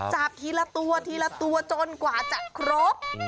จับทีละตัวทีละตัวจนกว่าจะครบ